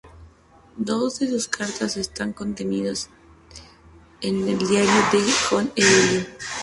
Dos de sus cartas están contenidas en el "Diario de John Evelyn".